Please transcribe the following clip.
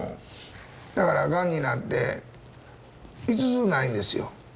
だからがんになって５つないんですよ。